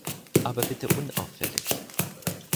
Aber bitte unauffällig.